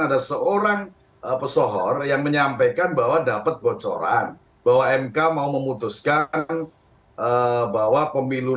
ada seorang pesohor yang menyampaikan bahwa dapat bocoran bahwa mk mau memutuskan bahwa pemilu